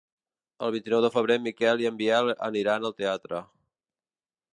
El vint-i-nou de febrer en Miquel i en Biel aniran al teatre.